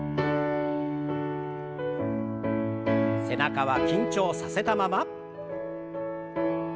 背中は緊張させたまま。